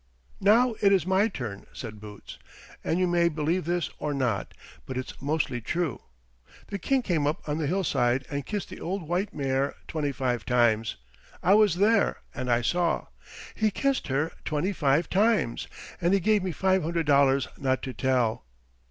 "Now it is my turn," said Boots, "and you may believe this or not, but it's mostly true. The King came up on the hillside and kissed the old white mare twenty five times. I was there and I saw. He kissed her twenty five times, and he gave me five hundred dollars not to tell."